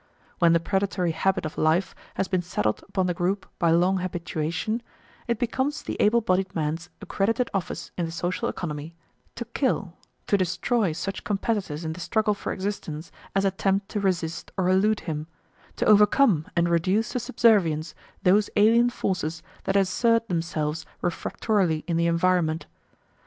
When the predatory habit of life has been settled upon the group by long habituation, it becomes the able bodied man's accredited office in the social economy to kill, to destroy such competitors in the struggle for existence as attempt to resist or elude him, to overcome and reduce to subservience those alien forces that assert themselves refractorily in the environment.